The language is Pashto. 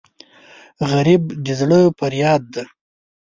غریب د زړه فریاد دی